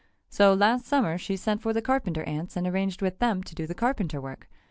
So last summer she sent for the carpenter ants and arranged with them to do the carpenter work.